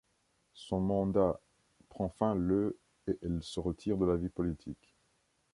Son mandat prend fin le et elle se retire de la vie politique.